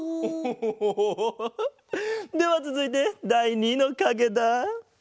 ハハハハではつづいてだい２のかげだ。